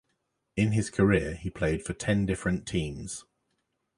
In his career, he played for ten different teams.